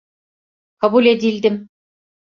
Kabul edildim.